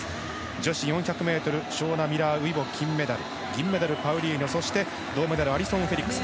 女子４００ｍショーニー・ミラー・ウイボ金メダル銀メダル、パウリーノそして銅メダルはアリソン・フェリックス。